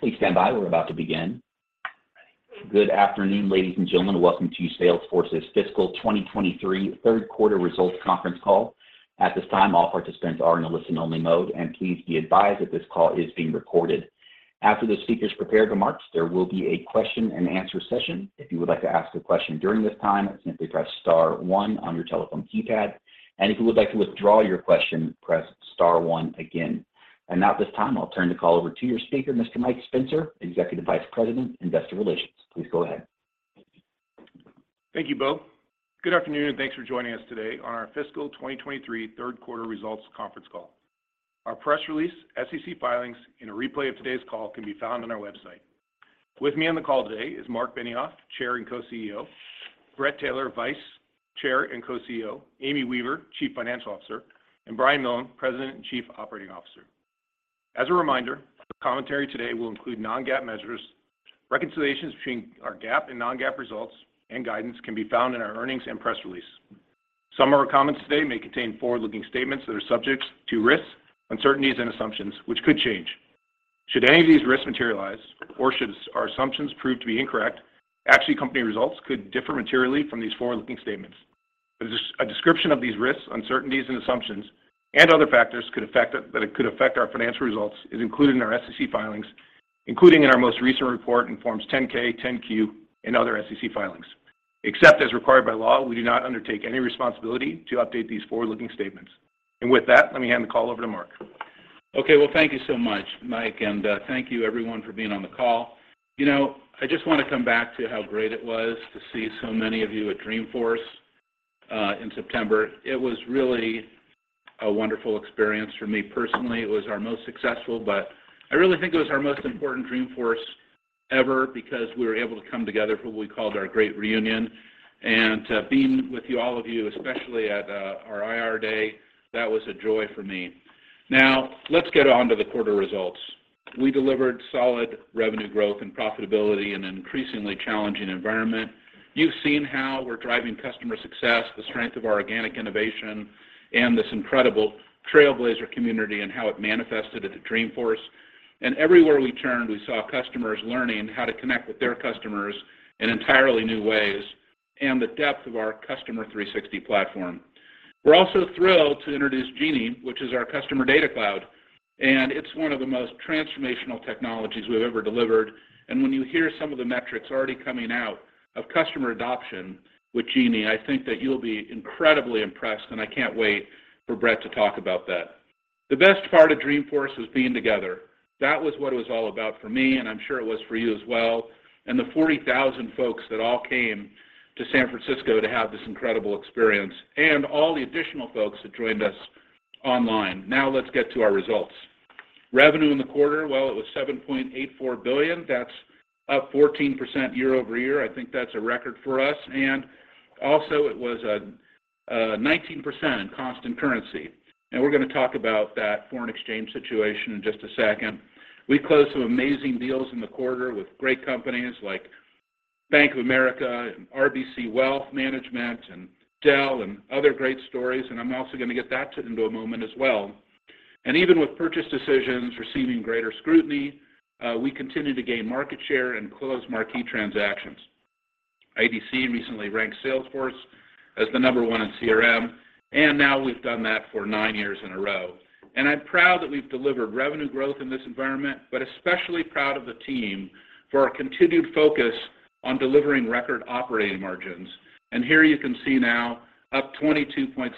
Please stand by. We're about to begin. Good afternoon, ladies and gentlemen. Welcome to Salesforce's fiscal 2023 third quarter results conference call. At this time, all participants are in a listen-only mode. Please be advised that this call is being recorded. After the speakers prepare remarks, there will be a question-and-answer session. If you would like to ask a question during this time, simply press star one on your telephone keypad. If you would like to withdraw your question, press star one again. Now, at this time, I'll turn the call over to your speaker, Mr. Mike Spencer, Executive Vice President, Investor Relations. Please go ahead. Thank you, Bo. Good afternoon, and thanks for joining us today on our fiscal 2023 third quarter results conference call. Our press release, SEC filings, and a replay of today's call can be found on our website. With me on the call today is Marc Benioff, Chair and Co-CEO; Bret Taylor, Vice Chair and Co-CEO; Amy Weaver, Chief Financial Officer; and Brian Millham, President and Chief Operating Officer. As a reminder, the commentary today will include non-GAAP measures. Reconciliations between our GAAP and non-GAAP results and guidance can be found in our earnings and press release. Some of our comments today may contain forward-looking statements that are subject to risks, uncertainties, and assumptions, which could change. Should any of these risks materialize or should our assumptions prove to be incorrect, actually company results could differ materially from these forward-looking statements. A description of these risks, uncertainties, and assumptions and other factors that could affect our financial results is included in our SEC filings, including in our most recent report in forms 10-K, 10-Q, and other SEC filings. Except as required by law, we do not undertake any responsibility to update these forward-looking statements. With that, let me hand the call over to Marc. Okay. Well, thank you so much, Mike Spencer, and thank you everyone for being on the call. You know, I just want to come back to how great it was to see so many of you at Dreamforce in September. It was really a wonderful experience for me personally. It was our most successful, but I really think it was our most important Dreamforce ever because we were able to come together for what we called our great reunion. Being with you, all of you, especially at our IR day, that was a joy for me. Now, let's get on to the quarter results. We delivered solid revenue growth and profitability in an increasingly challenging environment. You've seen how we're driving customer success, the strength of our organic innovation, and this incredible Trailblazer community and how it manifested at Dreamforce. Everywhere we turned, we saw customers learning how to connect with their customers in entirely new ways and the depth of our Customer 360 platform. We're also thrilled to introduce Genie, which is our customer data cloud, and it's one of the most transformational technologies we've ever delivered. When you hear some of the metrics already coming out of customer adoption with Genie, I think that you'll be incredibly impressed, and I can't wait for Bret to talk about that. The best part of Dreamforce was being together. That was what it was all about for me, and I'm sure it was for you as well. The 40,000 folks that all came to San Francisco to have this incredible experience and all the additional folks that joined us online. Now let's get to our results. Revenue in the quarter, well, it was $7.84 billion. That's up 14% year-over-year. I think that's a record for us. Also it was 19% in constant currency. We're going to talk about that foreign exchange situation in just a second. We closed some amazing deals in the quarter with great companies like Bank of America and RBC Wealth Management and Dell and other great stories. I'm also going to get that to in a moment as well. Even with purchase decisions receiving greater scrutiny, we continue to gain market share and close marquee transactions. IDC recently ranked Salesforce as the number one in CRM, now we've done that for nine years in a row. I'm proud that we've delivered revenue growth in this environment, but especially proud of the team for our continued focus on delivering record operating margins. Here you can see now up 22.7%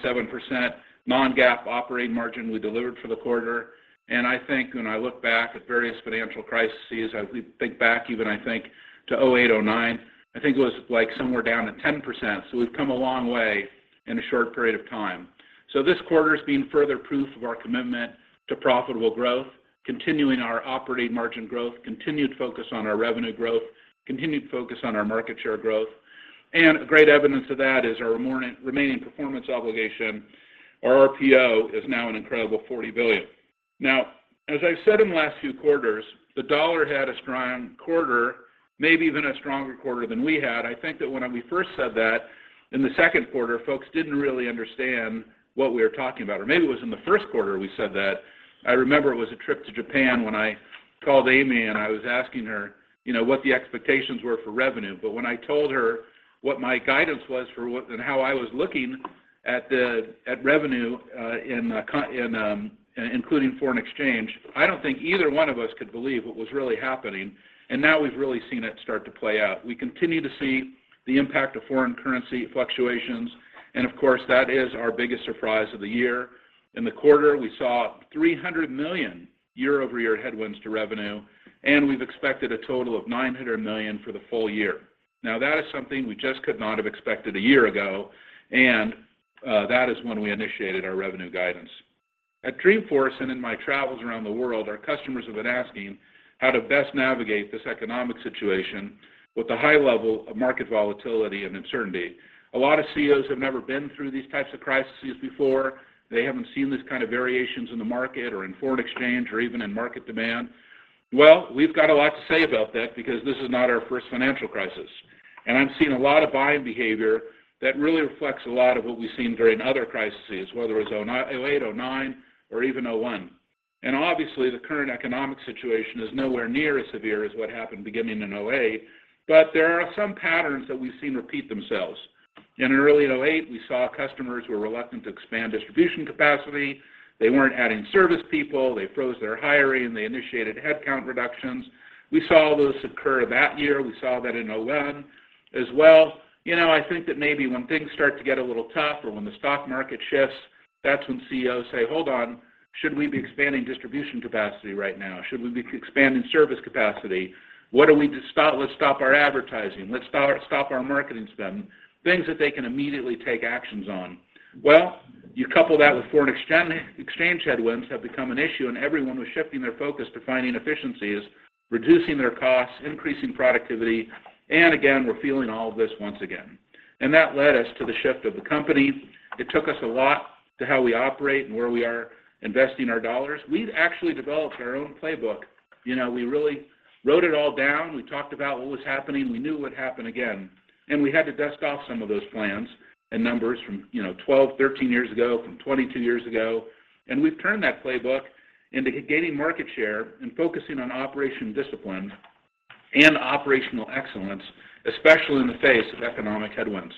non-GAAP operating margin we delivered for the quarter. I think when I look back at various financial crises, I think back even to 2008, 2009, I think it was like somewhere down at 10%. We've come a long way in a short period of time. This quarter has been further proof of our commitment to profitable growth, continuing our operating margin growth, continued focus on our revenue growth, continued focus on our market share growth. Great evidence of that is our remaining performance obligation, our RPO, is now an incredible $40 billion. As I've said in the last few quarters, the dollar had a strong quarter, maybe even a stronger quarter than we had. I think that when we first said that in the second quarter, folks didn't really understand what we were talking about, or maybe it was in the first quarter we said that. I remember it was a trip to Japan when I called Amy, and I was asking her, you know, what the expectations were for revenue. When I told her what my guidance was for what and how I was looking at revenue, including foreign exchange, I don't think either one of us could believe what was really happening. Now we've really seen it start to play out. We continue to see the impact of foreign currency fluctuations. Of course, that is our biggest surprise of the year. In the quarter, we saw $300 million year-over-year headwinds to revenue, and we've expected a total of $900 million for the full year. That is something we just could not have expected a year ago, and that is when we initiated our revenue guidance. At Dreamforce and in my travels around the world, our customers have been asking how to best navigate this economic situation with the high level of market volatility and uncertainty. A lot of CEOs have never been through these types of crises before. They haven't seen these kind of variations in the market or in foreign exchange or even in market demand. Well, we've got a lot to say about that because this is not our first financial crisis. I'm seeing a lot of buying behavior that really reflects a lot of what we've seen during other crises, whether it's 2008, 2009, or even 2001. Obviously, the current economic situation is nowhere near as severe as what happened beginning in 2008, but there are some patterns that we've seen repeat themselves. In early 2008, we saw customers were reluctant to expand distribution capacity. They weren't adding service people. They froze their hiring. They initiated headcount reductions. We saw all those occur that year. We saw that in 2001 as well. You know, I think that maybe when things start to get a little tough or when the stock market shifts, that's when CEOs say, "Hold on, should we be expanding distribution capacity right now? Should we be expanding service capacity? Let's stop our advertising. Let's stop our marketing spend." Things that they can immediately take actions on. Well, you couple that with foreign exchange headwinds have become an issue, everyone was shifting their focus to finding efficiencies, reducing their costs, increasing productivity, and again, we're feeling all of this once again. That led us to the shift of the company. It took us a lot to how we operate and where we are investing our dollars. We've actually developed our own playbook. You know, we really wrote it all down. We talked about what was happening. We knew it would happen again. We had to dust off some of those plans and numbers from, you know, 12, 13 years ago, from 22 years ago. We've turned that playbook into gaining market share and focusing on operation discipline and operational excellence, especially in the face of economic headwinds.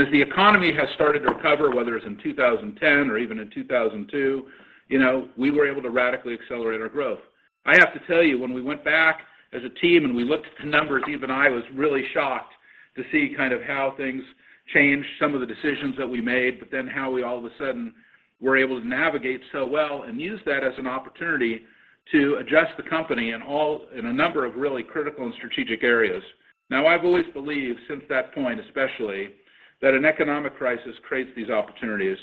As the economy has started to recover, whether it's in 2010 or even in 2002, you know, we were able to radically accelerate our growth. I have to tell you, when we went back as a team, we looked at the numbers, even I was really shocked to see kind of how things changed, some of the decisions that we made, how we all of a sudden were able to navigate so well and use that as an opportunity to adjust the company in a number of really critical and strategic areas. I've always believed since that point, especially, that an economic crisis creates these opportunities,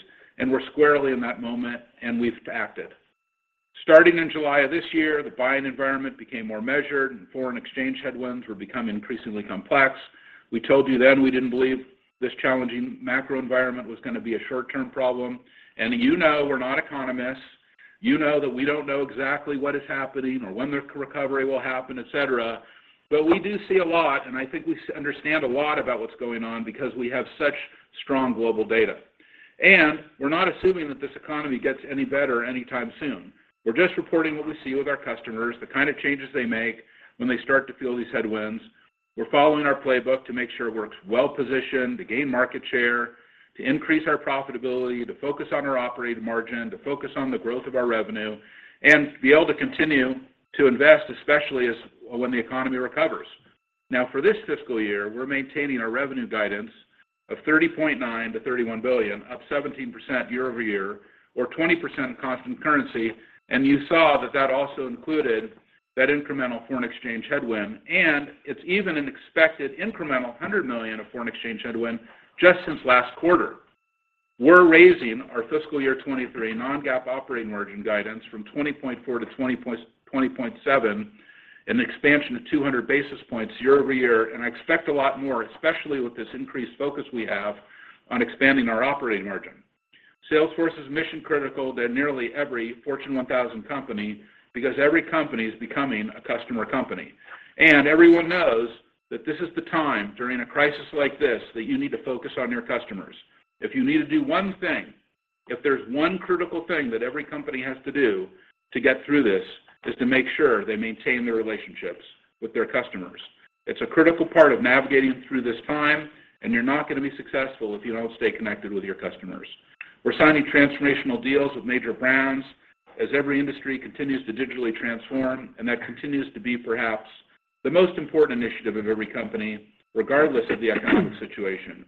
we're squarely in that moment, we've acted. Starting in July of this year, the buying environment became more measured, foreign exchange headwinds were becoming increasingly complex. We told you we didn't believe this challenging macro environment was gonna be a short-term problem. You know we're not economists. You know that we don't know exactly what is happening or when the recovery will happen, et cetera. We do see a lot, and I think we understand a lot about what's going on because we have such strong global data. We're not assuming that this economy gets any better anytime soon. We're just reporting what we see with our customers, the kind of changes they make when they start to feel these headwinds. We're following our playbook to make sure it works well-positioned to gain market share, to increase our profitability, to focus on our operating margin, to focus on the growth of our revenue, and to be able to continue to invest, especially when the economy recovers. For this fiscal year, we're maintaining our revenue guidance of $30.9 billion-$31 billion, up 17% year-over-year or 20% constant currency. You saw that that also included that incremental foreign exchange headwind, and it's even an expected incremental $100 million of foreign exchange headwind just since last quarter. We're raising our fiscal year 2023 non-GAAP operating margin guidance from 20.4%-20.7%, an expansion of 200 basis points year-over-year, and I expect a lot more, especially with this increased focus we have on expanding our operating margin. Salesforce is mission critical to nearly every Fortune 1000 company because every company is becoming a customer company. Everyone knows that this is the time during a crisis like this that you need to focus on your customers. If you need to do one thing, if there's one critical thing that every company has to do to get through this, is to make sure they maintain their relationships with their customers. It's a critical part of navigating through this time, and you're not gonna be successful if you don't stay connected with your customers. We're signing transformational deals with major brands as every industry continues to digitally transform. That continues to be perhaps the most important initiative of every company, regardless of the economic situation.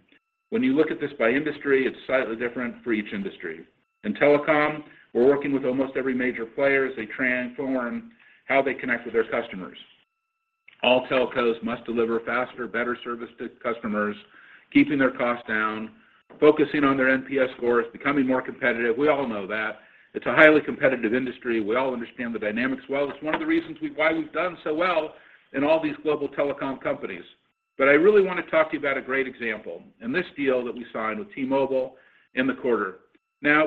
When you look at this by industry, it's slightly different for each industry. In telecom, we're working with almost every major player as they transform how they connect with their customers. All telcos must deliver faster, better service to customers, keeping their costs down, focusing on their NPS scores, becoming more competitive. We all know that. It's a highly competitive industry. We all understand the dynamics well. It's one of the reasons why we've done so well in all these global telecom companies. I really wanna talk to you about a great example, and this deal that we signed with T-Mobile in the quarter.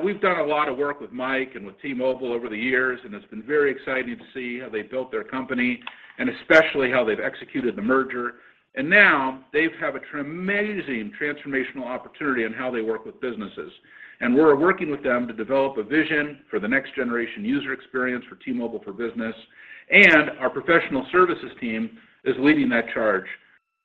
We've done a lot of work with Mike and with T-Mobile over the years, and it's been very exciting to see how they built their company, and especially how they've executed the merger. Now they have a tremendous transformational opportunity in how they work with businesses. We're working with them to develop a vision for the next generation user experience for T-Mobile for Business, and our professional services team is leading that charge.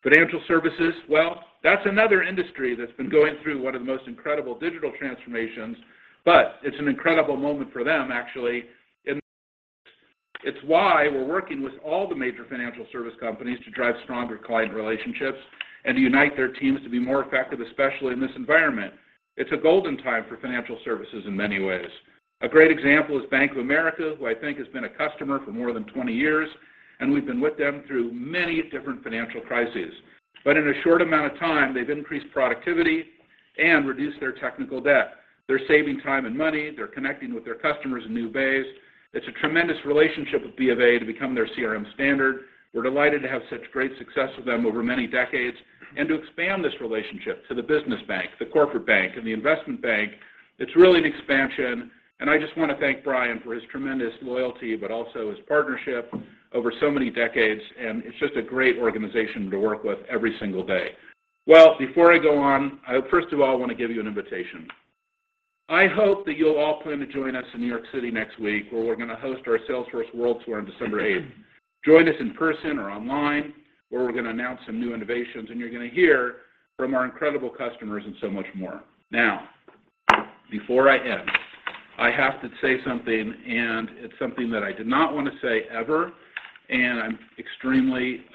Financial services, well, that's another industry that's been going through one of the most incredible digital transformations, but it's an incredible moment for them, actually. It's why we're working with all the major financial service companies to drive stronger client relationships and to unite their teams to be more effective, especially in this environment. It's a golden time for financial services in many ways. A great example is Bank of America, who I think has been a customer for more than 20 years, and we've been with them through many different financial crises. In a short amount of time, they've increased productivity and reduced their technical debt. They're saving time and money. They're connecting with their customers in new ways. It's a tremendous relationship with BofA to become their CRM standard. We're delighted to have such great success with them over many decades and to expand this relationship to the business bank, the corporate bank, and the investment bank. It's really an expansion. I just want to thank Brian for his tremendous loyalty, but also his partnership over so many decades. It's just a great organization to work with every single day. Well, before I go on, I first of all want to give you an invitation. I hope that you'll all plan to join us in New York City next week, where we're going to host our Salesforce World Tour on December eighth. Join us in person or online, where we're going to announce some new innovations. You're going to hear from our incredible customers and so much more. Now, before I end, I have to say something. It's something that I did not want to say ever. I'm extremely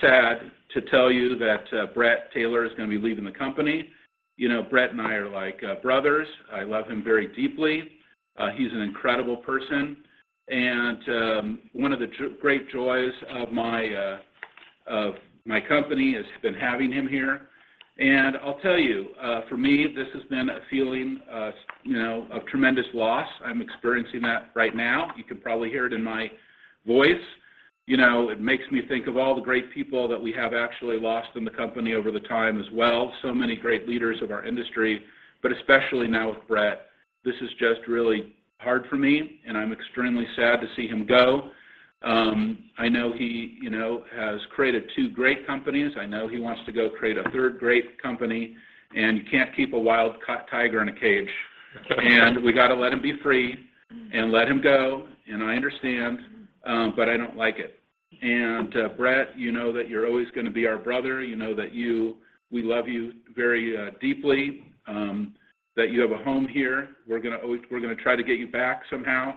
sad to tell you that Bret Taylor is going to be leaving the company. You know, Bret and I are like brothers. I love him very deeply. He's an incredible person. One of the great joys of my company has been having him here. I'll tell you, for me, this has been a feeling of, you know, of tremendous loss. I'm experiencing that right now. You can probably hear it in my voice. You know, it makes me think of all the great people that we have actually lost in the company over the time as well. So many great leaders of our industry, but especially now with Bret, this is just really hard for me, and I'm extremely sad to see him go. I know he, you know, has created two great companies. I know he wants to go create a third great company, and you can't keep a wild tiger in a cage. We got to let him be free and let him go. I understand, but I don't like it. Bret, you know that you're always going to be our brother. You know that we love you very deeply, that you have a home here. We're going to try to get you back somehow.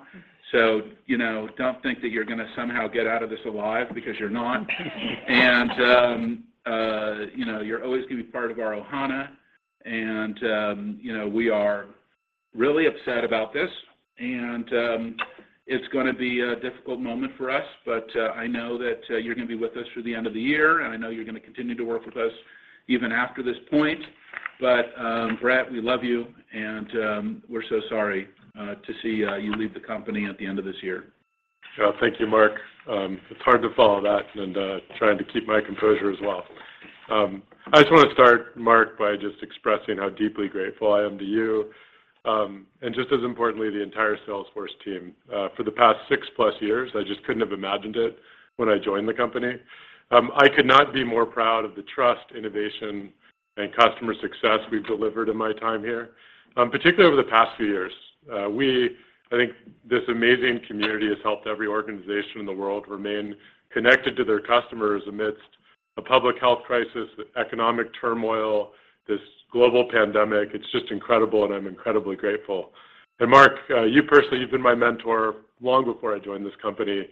You know, don't think that you're going to somehow get out of this alive because you're not. You know, you're always going to be part of our Ohana. You know, we are really upset about this, and it's going to be a difficult moment for us. I know that you're going to be with us through the end of the year, and I know you're going to continue to work with us even after this point. Bret, we love you, and we're so sorry to see you leave the company at the end of this year. Thank you, Marc. It's hard to follow that and trying to keep my composure as well. I just want to start, Marc, by just expressing how deeply grateful I am to you, and just as importantly, the entire Salesforce team. For the past six-plus years, I just couldn't have imagined it when I joined the company. I could not be more proud of the trust, innovation, and customer success we've delivered in my time here, particularly over the past few years. I think this amazing community has helped every organization in the world remain connected to their customers amidst a public health crisis, economic turmoil, this global pandemic. It's just incredible, and I'm incredibly grateful. Marc, you personally, you've been my mentor long before I joined this company.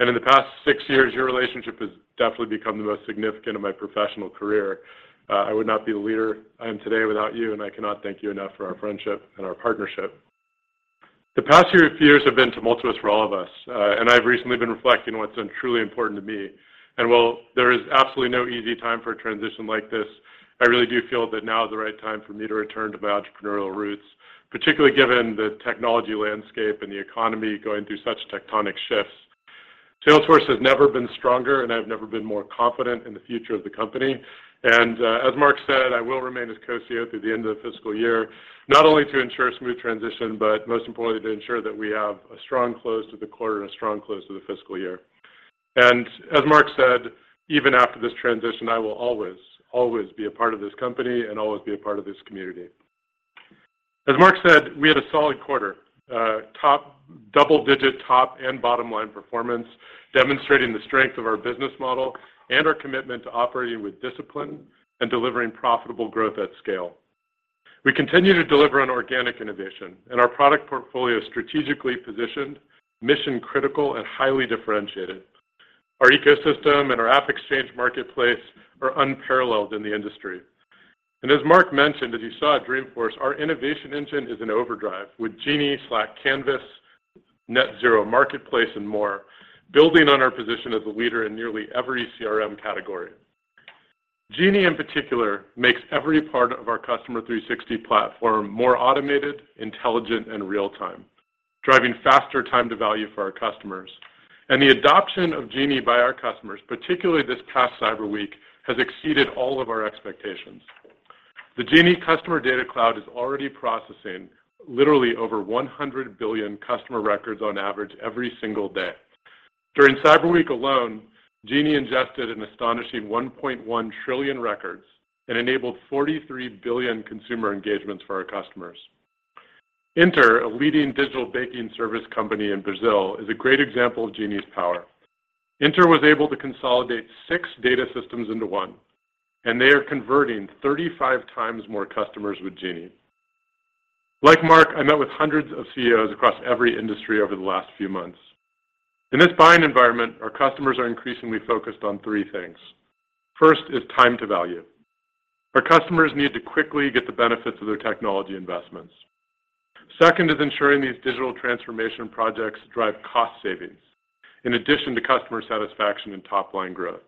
In the past six years, your relationship has definitely become the most significant of my professional career. I would not be the leader I am today without you, and I cannot thank you enough for our friendship and our partnership. The past few years have been tumultuous for all of us, and I've recently been reflecting on what's been truly important to me. While there is absolutely no easy time for a transition like this, I really do feel that now is the right time for me to return to my entrepreneurial roots, particularly given the technology landscape and the economy going through such tectonic shifts. Salesforce has never been stronger, and I've never been more confident in the future of the company. As Marc said, I will remain as co-CEO through the end of the fiscal year, not only to ensure a smooth transition, but most importantly, to ensure that we have a strong close to the quarter and a strong close to the fiscal year. As Marc said, even after this transition, I will always be a part of this company and always be a part of this community. As Marc said, we had a solid quarter. Top double-digit top and bottom-line performance, demonstrating the strength of our business model and our commitment to operating with discipline and delivering profitable growth at scale. We continue to deliver on organic innovation, and our product portfolio is strategically positioned, mission-critical, and highly differentiated. Our ecosystem and our AppExchange marketplace are unparalleled in the industry. As Marc mentioned, as you saw at Dreamforce, our innovation engine is in overdrive with Genie, Slack, Canvas, Net Zero Marketplace, and more, building on our position as a leader in nearly every CRM category. Genie, in particular, makes every part of our Customer 360 platform more automated, intelligent, and real-time, driving faster time to value for our customers. The adoption of Genie by our customers, particularly this past Cyber Week, has exceeded all of our expectations. The Genie customer data cloud is already processing literally over 100 billion customer records on average every single day. During Cyber Week alone, Genie ingested an astonishing 1.1 trillion records and enabled 43 billion consumer engagements for our customers. Inter, a leading digital banking service company in Brazil, is a great example of Genie's power. Inter was able to consolidate six data systems into one. They are converting 35x more customers with Genie. Like Marc, I met with hundreds of CEOs across every industry over the last few months. In this buying environment, our customers are increasingly focused on three things. First is time to value. Our customers need to quickly get the benefits of their technology investments. Second is ensuring these digital transformation projects drive cost savings in addition to customer satisfaction and top-line growth.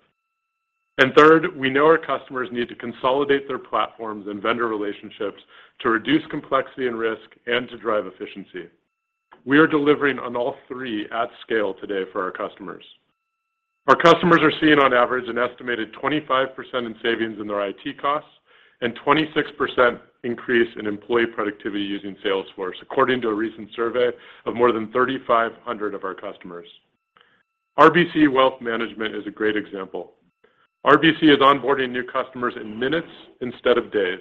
Third, we know our customers need to consolidate their platforms and vendor relationships to reduce complexity and risk and to drive efficiency. We are delivering on all three at scale today for our customers. Our customers are seeing on average an estimated 25% in savings in their IT costs and 26% increase in employee productivity using Salesforce, according to a recent survey of more than 3,500 of our customers. RBC Wealth Management is a great example. RBC is onboarding new customers in minutes instead of days,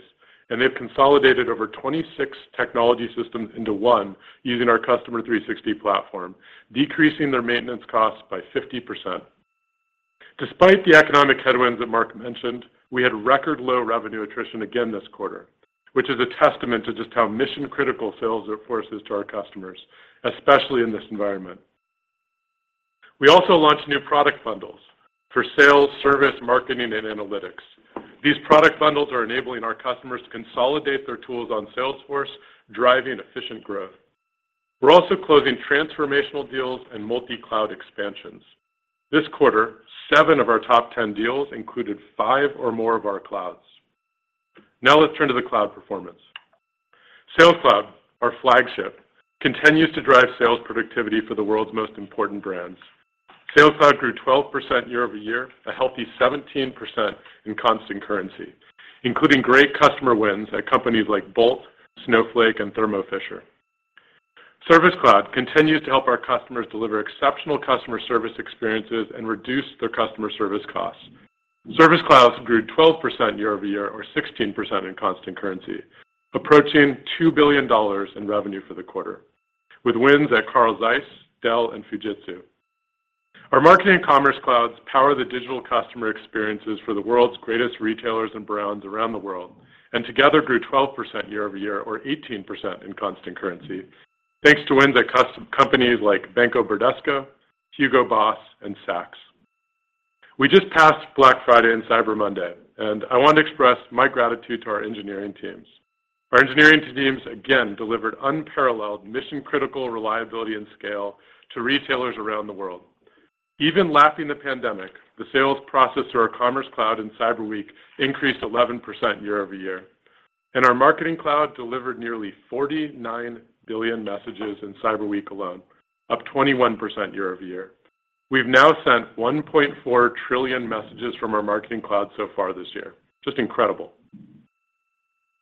and they've consolidated over 26 technology systems into one using our Customer 360 platform, decreasing their maintenance costs by 50%. Despite the economic headwinds that Marc mentioned, we had record low revenue attrition again this quarter, which is a testament to just how mission-critical Salesforce is to our customers, especially in this environment. We also launched new product bundles for sales, service, marketing, and analytics. These product bundles are enabling our customers to consolidate their tools on Salesforce, driving efficient growth. We're also closing transformational deals and multi-cloud expansions. This quarter, seven of our top 10 deals included five or more of our clouds. Let's turn to the cloud performance. Sales Cloud, our flagship, continues to drive sales productivity for the world's most important brands. Sales Cloud grew 12% year-over-year, a healthy 17% in constant currency, including great customer wins at companies like Bolt, Snowflake, and Thermo Fisher. Service Cloud continues to help our customers deliver exceptional customer service experiences and reduce their customer service costs. Service Cloud grew 12% year-over-year or 16% in constant currency, approaching $2 billion in revenue for the quarter with wins at Carl Zeiss, Dell, and Fujitsu. Our Marketing and Commerce Clouds power the digital customer experiences for the world's greatest retailers and brands around the world, and together grew 12% year-over-year or 18% in constant currency thanks to wins at companies like Banco Bradesco, Hugo Boss, and Saks. We just passed Black Friday and Cyber Monday. I want to express my gratitude to our engineering teams. Our engineering teams again delivered unparalleled mission-critical reliability and scale to retailers around the world. Even lapping the pandemic, the sales processor, our Commerce Cloud in Cyber Week increased 11% year-over-year, and our Marketing Cloud delivered nearly 49 billion messages in Cyber Week alone, up 21% year-over-year. We've now sent 1.4 trillion messages from our Marketing Cloud so far this year. Just incredible.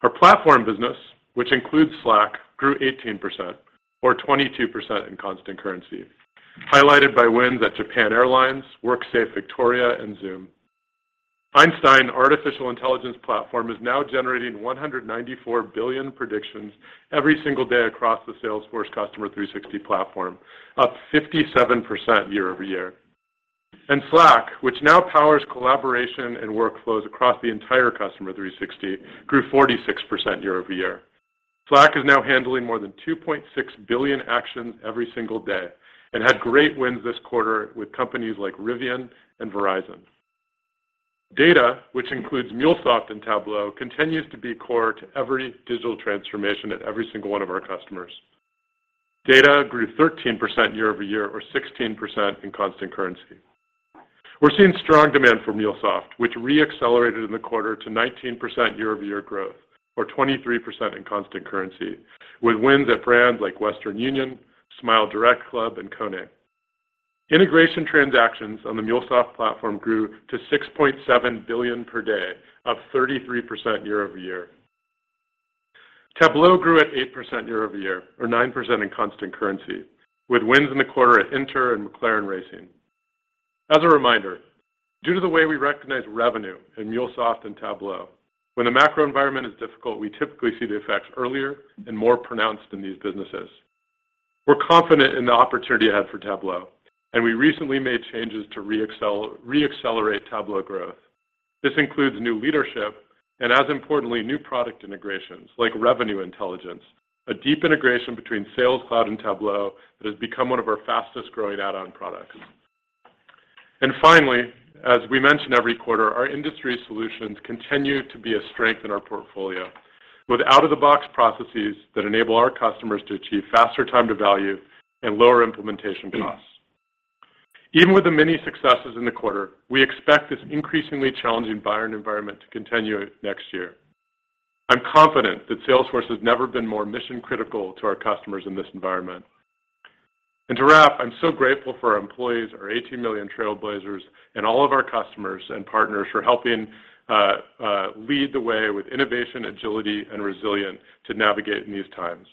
Our platform business, which includes Slack, grew 18% or 22% in constant currency, highlighted by wins at Japan Airlines, WorkSafe Victoria, and Zoom. Einstein Artificial Intelligence Platform is now generating 194 billion predictions every single day across the Salesforce Customer 360 platform, up 57% year-over-year. Slack, which now powers collaboration and workflows across the entire Customer 360, grew 46% year-over-year. Slack is now handling more than 2.6 billion actions every single day and had great wins this quarter with companies like Rivian and Verizon. Data, which includes MuleSoft and Tableau, continues to be core to every digital transformation at every single one of our customers. Data grew 13% year-over-year or 16% in constant currency. We're seeing strong demand for MuleSoft, which re-accelerated in the quarter to 19% year-over-year growth or 23% in constant currency with wins at brands like Western Union, SmileDirectClub, and KONE. Integration transactions on the MuleSoft platform grew to $6.7 billion per day, up 33% year-over-year. Tableau grew at 8% year-over-year or 9% in constant currency with wins in the quarter at Inter and McLaren Racing. As a reminder, due to the way we recognize revenue in MuleSoft and Tableau, when the macro environment is difficult, we typically see the effects earlier and more pronounced in these businesses. We're confident in the opportunity ahead for Tableau. We recently made changes to re-accelerate Tableau growth. This includes new leadership and, as importantly, new product integrations like Revenue Intelligence, a deep integration between Sales Cloud and Tableau that has become one of our fastest-growing add-on products. Finally, as we mention every quarter, our industry solutions continue to be a strength in our portfolio with out-of-the-box processes that enable our customers to achieve faster time to value and lower implementation costs. Even with the many successes in the quarter, we expect this increasingly challenging buyer and environment to continue next year. I'm confident that Salesforce has never been more mission-critical to our customers in this environment. To wrap, I'm so grateful for our employees, our 18 million Trailblazers, and all of our customers and partners for helping lead the way with innovation, agility, and resilience to navigate in these times.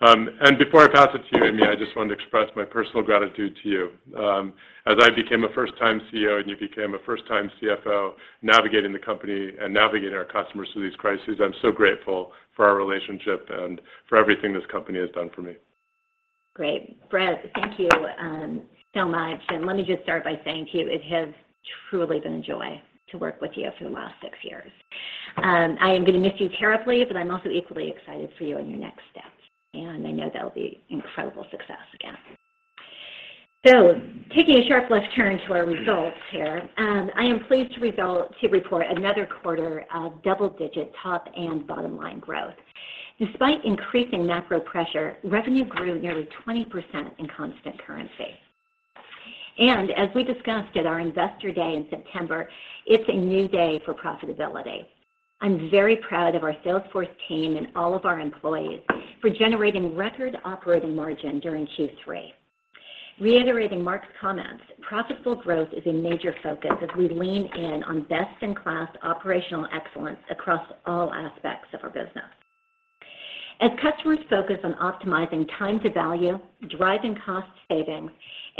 Before I pass it to you, Amy, I just wanted to express my personal gratitude to you. As I became a first-time CEO, and you became a first-time CFO navigating the company and navigating our customers through these crises, I'm so grateful for our relationship and for everything this company has done for me. Great. Bret, thank you so much. Let me just start by saying to you it has truly been a joy to work with you for the last six years. I am going to miss you terribly. I'm also equally excited for you on your next steps. I know that'll be incredible success again. Taking a sharp left turn to our results here, I am pleased to report another quarter of double-digit top and bottom-line growth. Despite increasing macro pressure, revenue grew nearly 20% in constant currency. As we discussed at our Investor Day in September, it's a new day for profitability. I'm very proud of our Salesforce team and all of our employees for generating record operating margin during Q3. Reiterating Marc's comments, profitable growth is a major focus as we lean in on best-in-class operational excellence across all aspects of our business. As customers focus on optimizing time to value, driving cost savings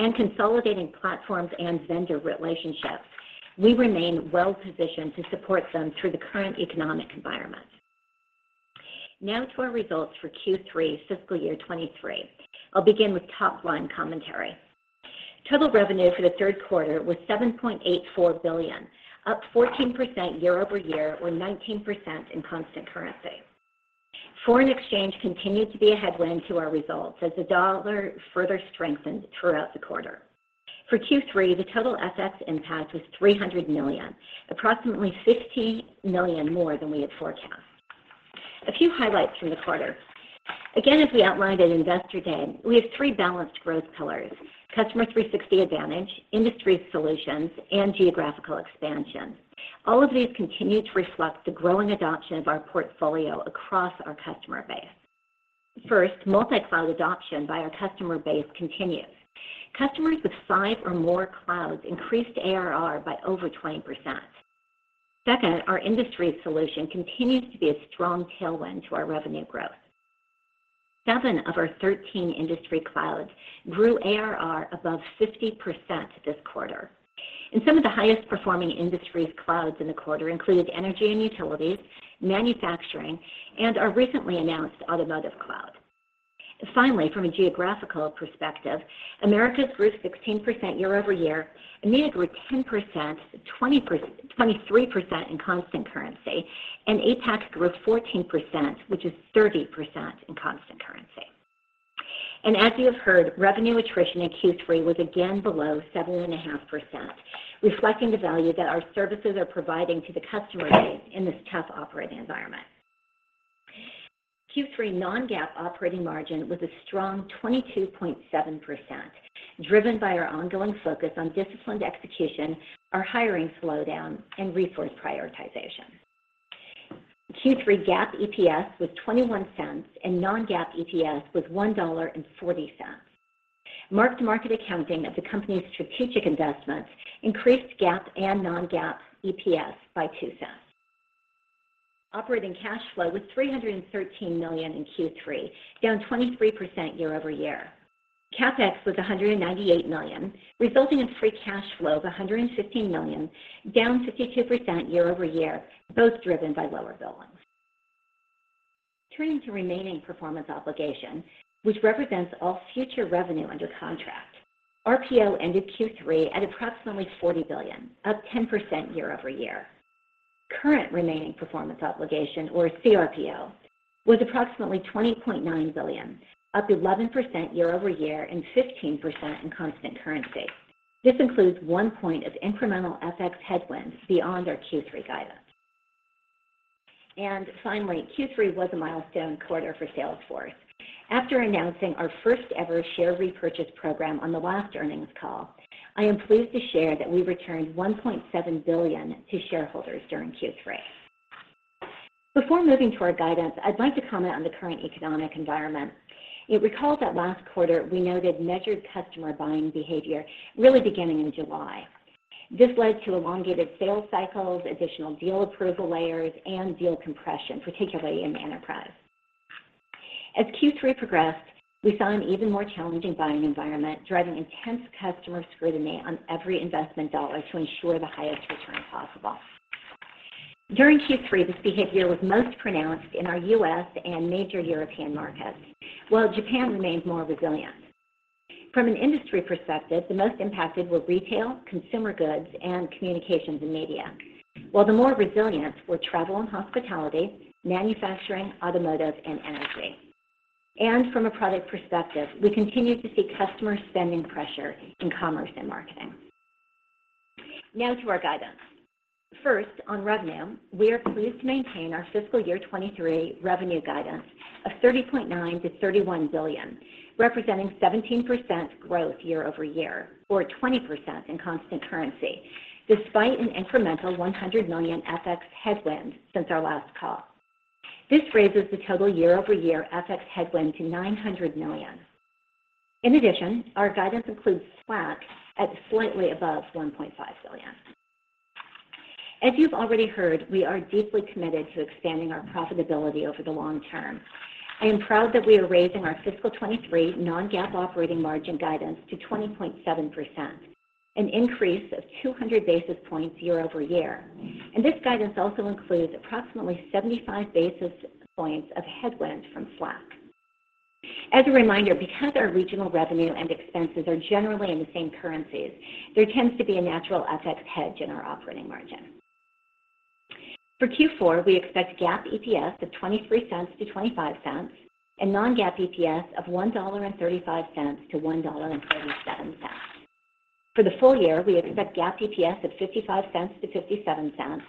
and consolidating platforms and vendor relationships, we remain well positioned to support them through the current economic environment. To our results for Q3 fiscal year 23. I'll begin with top line commentary. Total revenue for the third quarter was $7.84 billion, up 14% year-over-year or 19% in constant currency. Foreign exchange continued to be a headwind to our results as the dollar further strengthened throughout the quarter. For Q3, the total FX impact was $300 million, approximately $50 million more than we had forecast. A few highlights from the quarter. Again, as we outlined at Investor Day, we have three balanced growth pillars, Customer 360 Advantage, industry solutions, and geographical expansion. All of these continue to reflect the growing adoption of our portfolio across our customer base. First, multi-cloud adoption by our customer base continues. Customers with five or more clouds increased ARR by over 20%. Second, our industry solution continues to be a strong tailwind to our revenue growth. Seven of our 13 industry clouds grew ARR above 50% this quarter. Some of the highest performing industries clouds in the quarter included energy and utilities, manufacturing, and our recently announced Automotive Cloud. Finally, from a geographical perspective, Americas grew 16% year-over-year. EMEA grew 10%, 23% in constant currency, and APAC grew 14%, which is 30% in constant currency. As you have heard, revenue attrition in Q3 was again below 7.5%, reflecting the value that our services are providing to the customer base in this tough operating environment. Q3 non-GAAP operating margin was a strong 22.7%, driven by our ongoing focus on disciplined execution, our hiring slowdown, and resource prioritization. Q3 GAAP EPS was $0.21 and non-GAAP EPS was $1.40. Market-to-market accounting of the company's strategic investments increased GAAP and non-GAAP EPS by $0.02. Operating cash flow was $313 million in Q3, down 23% year-over-year. CapEx was $198 million, resulting in free cash flow of $115 million, down 52% year-over-year, both driven by lower billings. Turning to remaining performance obligation, which represents all future revenue under contract. RPO ended Q3 at approximately $40 billion, up 10% year-over-year. Current Remaining Performance Obligation, or CRPO, was approximately $20.9 billion, up 11% year-over-year and 15% in constant currency. This includes one point of incremental FX headwinds beyond our Q3 guidance. Finally, Q3 was a milestone quarter for Salesforce. After announcing our first-ever share repurchase program on the last earnings call, I am pleased to share that we returned $1.7 billion to shareholders during Q3. Before moving to our guidance, I'd like to comment on the current economic environment. You'll recall that last quarter we noted measured customer buying behavior really beginning in July. This led to elongated sales cycles, additional deal approval layers, and deal compression, particularly in enterprise. As Q3 progressed, we saw an even more challenging buying environment, driving intense customer scrutiny on every investment dollar to ensure the highest return possible. During Q3, this behavior was most pronounced in our U.S. and major European markets, while Japan remained more resilient. From an industry perspective, the most impacted were retail, consumer goods, and communications and media, while the more resilient were travel and hospitality, manufacturing, automotive, and energy. From a product perspective, we continued to see customer spending pressure in Commerce and Marketing. Now to our guidance. First, on revenue, we are pleased to maintain our fiscal year 2023 revenue guidance of $30.9 billion-$31 billion, representing 17% growth year-over-year, or 20% in constant currency, despite an incremental $100 million FX headwind since our last call. This raises the total year-over-year FX headwind to $900 million. In addition, our guidance includes Slack at slightly above $1.5 billion. As you've already heard, we are deeply committed to expanding our profitability over the long term. I am proud that we are raising our fiscal 2023 non-GAAP operating margin guidance to 20.7%, an increase of 200 basis points year-over-year. This guidance also includes approximately 75 basis points of headwind from Slack. As a reminder, because our regional revenue and expenses are generally in the same currencies, there tends to be a natural FX hedge in our operating margin. For Q4, we expect GAAP EPS of $0.23-$0.25 and non-GAAP EPS of $1.35-$1.37. For the full year, we expect GAAP EPS of $0.55-$0.57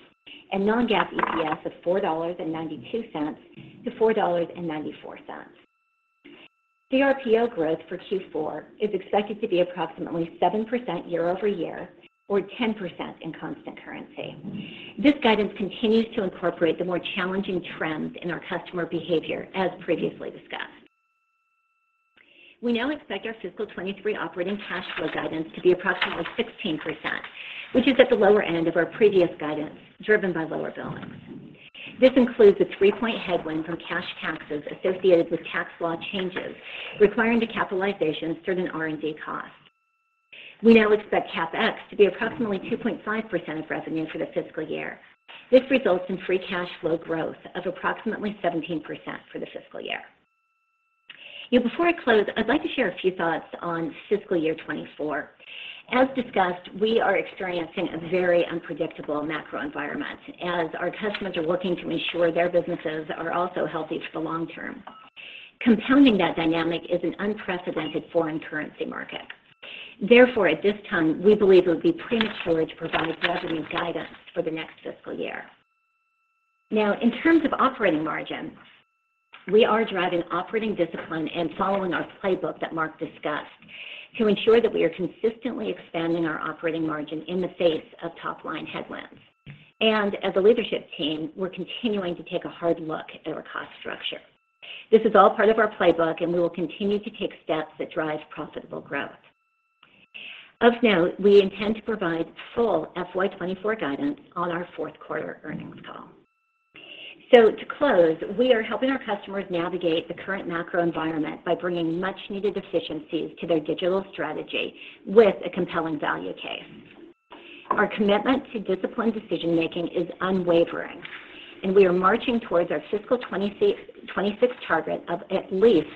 and non-GAAP EPS of $4.92-$4.94. CRPO growth for Q4 is expected to be approximately 7% year-over-year or 10% in constant currency. This guidance continues to incorporate the more challenging trends in our customer behavior as previously discussed. We now expect our fiscal 2023 operating cash flow guidance to be approximately 16%, which is at the lower end of our previous guidance, driven by lower billings. This includes a three-point headwind from cash taxes associated with tax law changes requiring decapitalization of certain R&D costs. We now expect CapEx to be approximately 2.5% of revenue for the fiscal year. This results in free cash flow growth of approximately 17% for the fiscal year. Before I close, I'd like to share a few thoughts on fiscal year 2024. As discussed, we are experiencing a very unpredictable macro environment as our customers are working to ensure their businesses are also healthy for the long term. Compounding that dynamic is an unprecedented foreign currency market. At this time, we believe it would be premature to provide revenue guidance for the next fiscal year. In terms of operating margin, we are driving operating discipline and following our playbook that Marc discussed to ensure that we are consistently expanding our operating margin in the face of top-line headwinds. As a leadership team, we're continuing to take a hard look at our cost structure. This is all part of our playbook, and we will continue to take steps that drive profitable growth. Of note, we intend to provide full FY 2024 guidance on our fourth quarter earnings call. To close, we are helping our customers navigate the current macro environment by bringing much-needed efficiencies to their digital strategy with a compelling value case. Our commitment to disciplined decision-making is unwavering, and we are marching towards our fiscal 2026 target of at least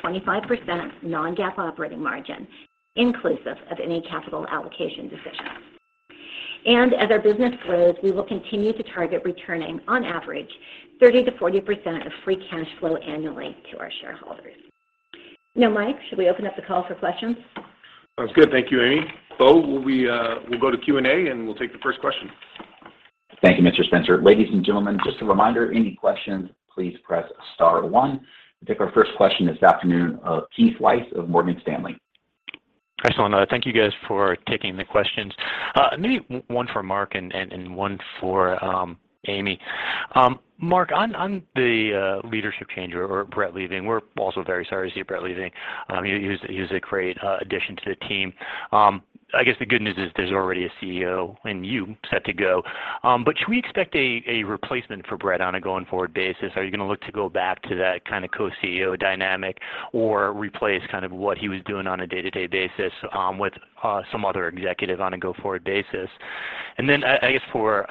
25% of non-GAAP operating margin, inclusive of any capital allocation decisions. As our business grows, we will continue to target returning, on average, 30%-40% of free cash flow annually to our shareholders. Now, Mike, should we open up the call for questions? Sounds good. Thank you, Amy. Bo, we'll go to Q&A, and we'll take the first question. Thank you, Mr. Benioff. Ladies and gentlemen, just a reminder, any questions, please press star one. I think our first question this afternoon, Keith Weiss of Morgan Stanley. Excellent. Thank you guys for taking the questions. Maybe one for Marc and one for Amy. Marc, on the leadership change or Bret leaving, we're also very sorry to see Bret leaving. He was a great addition to the team. I guess the good news is there's already a CEO and you set to go. Should we expect a replacement for Bret on a going-forward basis? Are you gonna look to go back to that, kind of, co-CEO dynamic or replace, kind of, what he was doing on a day-to-day basis, with some other executive on a go-forward basis? I guess for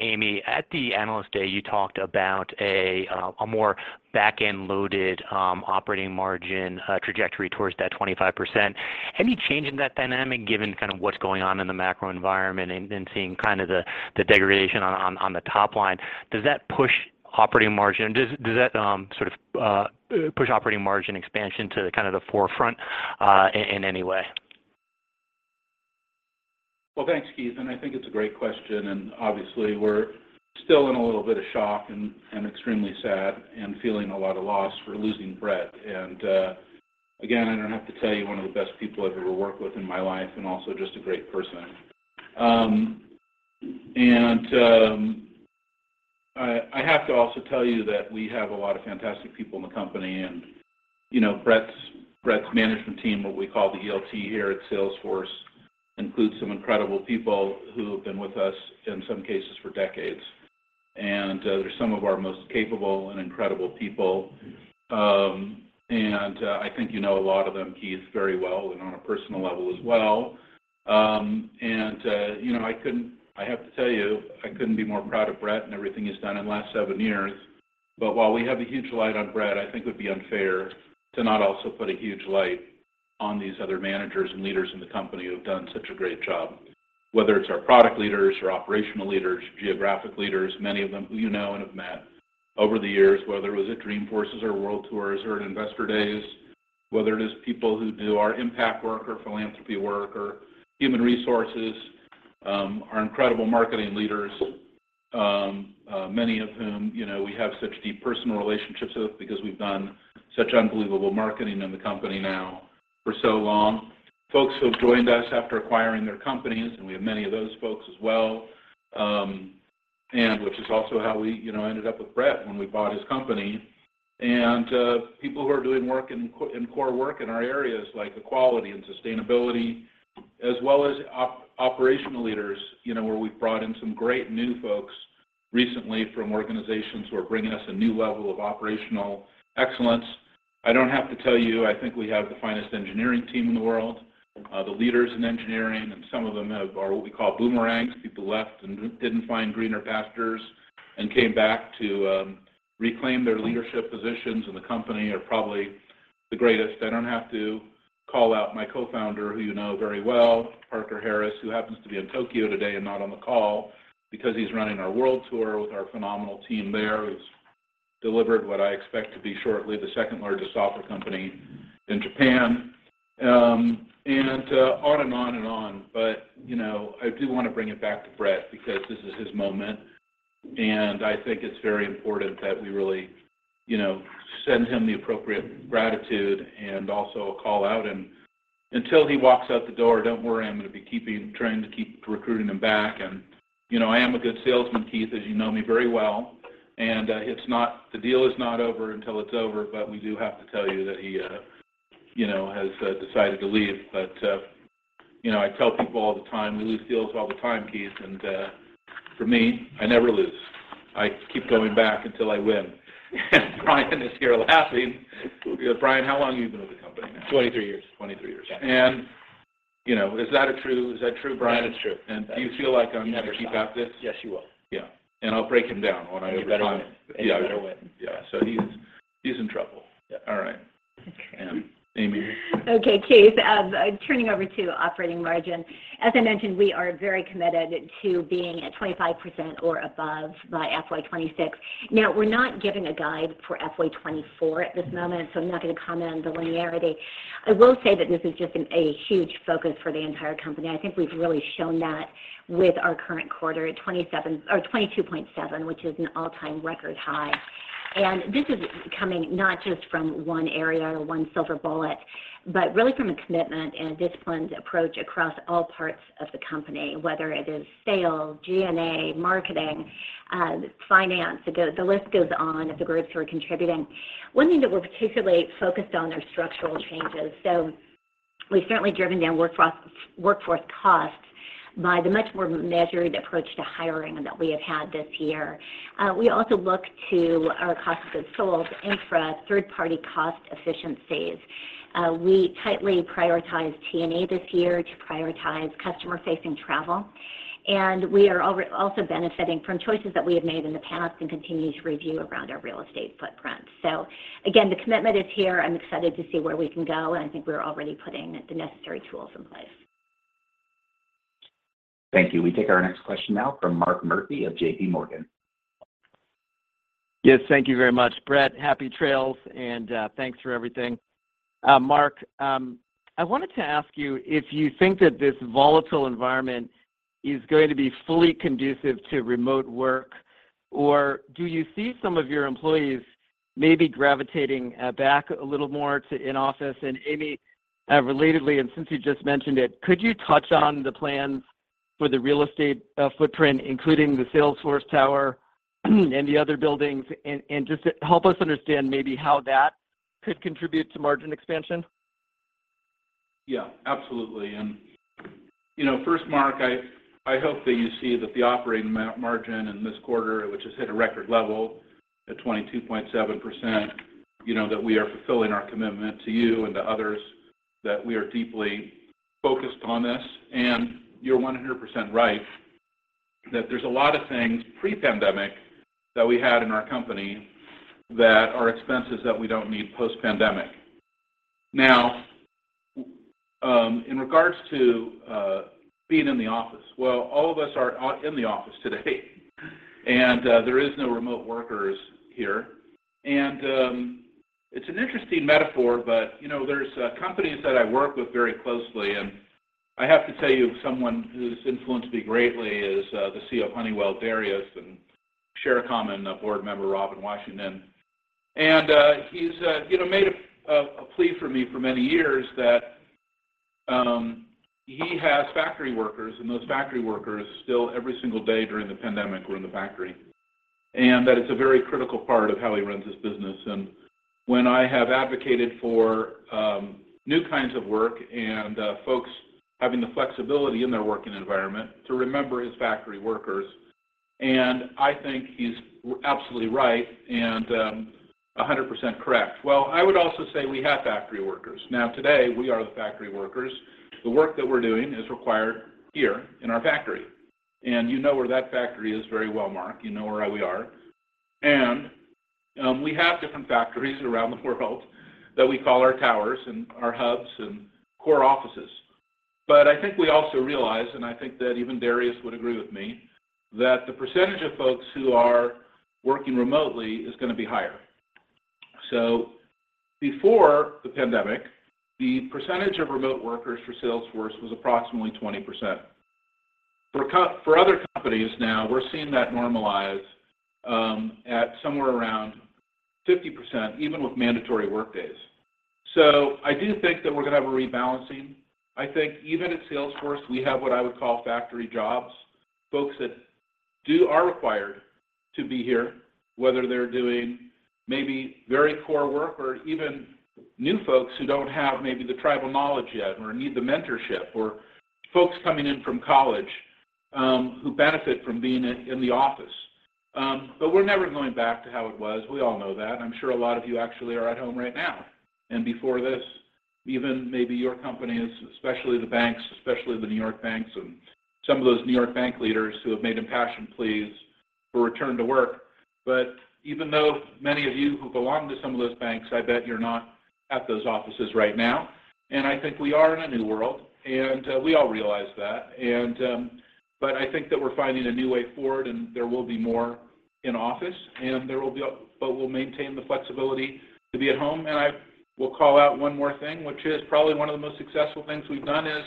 Amy, at the Analyst Day, you talked about a more back-end-loaded, operating margin, trajectory towards that 25%. Any change in that dynamic given, kind of, what's going on in the macro environment and seeing kind of the degradation on the top line? Does that push operating margin? Does that, sort of, push operating margin expansion to kind of the forefront, in any way? Thanks, Keith, I think it's a great question. Obviously, we're still in a little bit of shock and extremely sad and feeling a lot of loss for losing Bret. Again, I don't have to tell you one of the best people I've ever worked with in my life and also just a great person. I have to also tell you that we have a lot of fantastic people in the company, and, you know, Bret's management team, what we call the ELT here at Salesforce, includes some incredible people who have been with us, in some cases, for decades. They're some of our most capable and incredible people. I think you know a lot of them, Keith, very well and on a personal level as well. You know, I have to tell you, I couldn't be more proud of Bret and everything he's done in the last seven years. While we have a huge light on Bret, I think it would be unfair to not also put a huge light on these other managers and leaders in the company who have done such a great job. Whether it's our product leaders, our operational leaders, geographic leaders, many of them who you know and have met over the years, whether it was at Dreamforce or Salesforce World Tour or at Investor Days, whether it is people who do our impact work or philanthropy work or human resources, our incredible marketing leaders, many of whom, you know, we have such deep personal relationships with because we've done such unbelievable marketing in the company now for so long. Folks who have joined us after acquiring their companies. We have many of those folks as well. Which is also how we, you know, ended up with Bret when we bought his company. People who are doing core work in our areas like equality and sustainability, as well as operational leaders, you know, where we've brought in some great new folks recently from organizations who are bringing us a new level of operational excellence. I don't have to tell you, I think we have the finest engineering team in the world. The leaders in engineering, and some of them are what we call boomerangs. People who left and didn't find greener pastures and came back to reclaim their leadership positions in the company are probably the greatest. I don't have to call out my co-founder, who you know very well, Parker Harris, who happens to be in Tokyo today and not on the call because he's running our world tour with our phenomenal team there, who's delivered what I expect to be shortly the second-largest software company in Japan. On and on and on. You know, I do wanna bring it back to Bret because this is his moment, and I think it's very important that we really, you know, send him the appropriate gratitude and also a call-out. Until he walks out the door, don't worry, I'm gonna be trying to keep recruiting him back. You know, I am a good salesman, Keith, as you know me very well. The deal is not over until it's over. We do have to tell you that he, you know, has decided to leave. You know, I tell people all the time, we lose deals all the time, Keith, and for me, I never lose. I keep going back until I win. Brian is here laughing. Brian, how long have you been with the company now? 23 years. 23 years. Yeah. You know, is that true, Brian? That is true. Do you feel like I'm gonna keep out this? Yes, you will. Yeah. I'll break him down when I- You better win. Yeah. You better win. Yeah. He's in trouble. Yeah. All right. Okay. Amy? Okay, Keith, turning over to operating margin. As I mentioned, we are very committed to being at 25% or above by FY 2026. We're not giving a guide for FY 2024 at this moment, so I'm not gonna comment on the linearity. I will say that this is just a huge focus for the entire company. I think we've really shown that with our current quarter at 27%, or 22.7%, which is an all-time record high. This is coming not just from one area or one silver bullet, but really from a commitment and a disciplined approach across all parts of the company, whether it is sales, G&A, marketing, finance. The list goes on of the groups who are contributing. 1 thing that we're particularly focused on are structural changes. We've certainly driven down workforce costs by the much more measured approach to hiring that we have had this year. We also look to our cost of goods sold, infra, third-party cost efficiencies. We tightly prioritize T&E this year to prioritize customer-facing travel. We are also benefiting from choices that we have made in the past and continue to review around our real estate footprint. Again, the commitment is here. I'm excited to see where we can go, and I think we're already putting the necessary tools in place. Thank you. We take our next question now from Mark Murphy of JPMorgan. Yes, thank you very much, Bret. Happy trails, and thanks for everything. Marc, I wanted to ask you if you think that this volatile environment is going to be fully conducive to remote work, or do you see some of your employees maybe gravitating back a little more to in-office? Amy, relatedly, and since you just mentioned it, could you touch on the plans for the real estate footprint, including the Salesforce Tower and the other buildings and just help us understand maybe how that could contribute to margin expansion? Yeah, absolutely. You know, first, Mark, I hope that you see that the operating margin in this quarter, which has hit a record level at 22.7%, you know, that we are fulfilling our commitment to you and to others, that we are deeply focused on this. You're 100% right that there's a lot of things pre-pandemic that we had in our company that are expenses that we don't need post-pandemic. In regards to being in the office, well, all of us are in the office today, and there is no remote workers here. It's an interesting metaphor, but, you know, there's companies that I work with very closely, and I have to tell you, someone who's influenced me greatly is the CEO of Honeywell, Darius, and share a common board member, Robin Washington. He's, you know, made a plea for me for many years that he has factory workers, and those factory workers still every single day during the pandemic were in the factory, and that it's a very critical part of how he runs his business. When I have advocated for new kinds of work and folks having the flexibility in their working environment to remember his factory workers, and I think he's absolutely right and 100% correct. Well, I would also say we have factory workers. Now, today, we are the factory workers. The work that we're doing is required here in our factory. You know where that factory is very well, Mark. You know where we are. We have different factories around the world that we call our towers and our hubs and core offices. I think we also realize, and I think that even Darius would agree with me, that the percentage of folks who are working remotely is gonna be higher. Before the pandemic, the percentage of remote workers for Salesforce was approximately 20%. For other companies now, we're seeing that normalize at somewhere around 50%, even with mandatory work days. I do think that we're gonna have a rebalancing. I think even at Salesforce, we have what I would call factory jobs, folks that are required to be here, whether they're doing maybe very core work or even new folks who don't have maybe the tribal knowledge yet or need the mentorship or folks coming in from college, who benefit from being in the office. We're never going back to how it was. We all know that. I'm sure a lot of you actually are at home right now. Before this, even maybe your companies, especially the banks, especially the New York banks and some of those New York bank leaders who have made impassioned pleas for return to work. Even though many of you who belong to some of those banks, I bet you're not at those offices right now. I think we are in a new world, and we all realize that. I think that we're finding a new way forward, and there will be more in office, and there will be but we'll maintain the flexibility to be at home. I will call out one more thing, which is probably one of the most successful things we've done is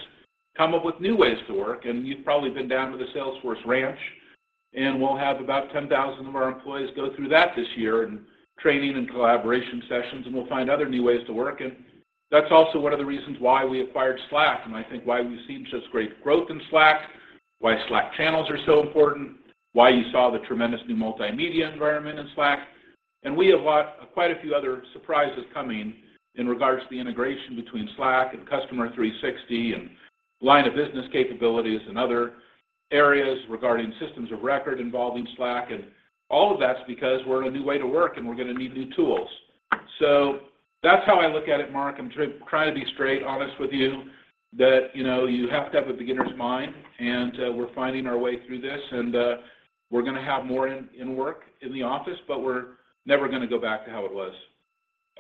come up with new ways to work. You've probably been down to the Salesforce Ranch. We'll have about 10,000 of our employees go through that this year in training and collaboration sessions, and we'll find other new ways to work. That's also one of the reasons why we acquired Slack, and I think why we've seen such great growth in Slack, why Slack channels are so important, why you saw the tremendous new multimedia environment in Slack. We have quite a few other surprises coming in regards to the integration between Slack and Customer 360 and line of business capabilities and other areas regarding systems of record involving Slack. All of that's because we're in a new way to work, and we're gonna need new tools. That's how I look at it, Mark. I'm trying to be straight honest with you that, you know, you have to have a beginner's mind, and we're finding our way through this. We're gonna have more in work in the office, but we're never gonna go back to how it was.